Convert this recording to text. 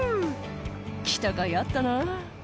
「来たかいあったな」